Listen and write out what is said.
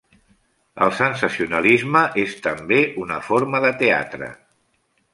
El sensacionalisme és també una forma de teatre.